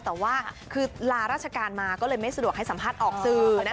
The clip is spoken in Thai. แต่ว่าคือลาราชการมาก็เลยไม่สะดวกให้สัมภาษณ์ออกสื่อ